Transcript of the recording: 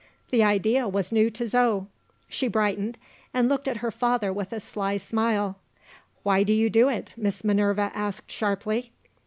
The idea was new to Zo. She brightened, and looked at her father with a sly smile. "Why do you do it?" Miss Minerva asked sharply.